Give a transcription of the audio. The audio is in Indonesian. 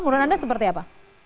menurut anda seperti apa